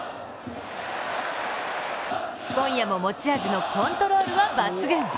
今夜も持ち味のコントロールは抜群。